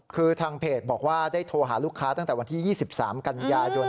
คือทางเพจบอกว่าได้โทรหาลูกค้าตั้งแต่วันที่๒๓กันยายน